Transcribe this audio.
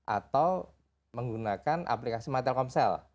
atau menggunakan aplikasi my telkomsel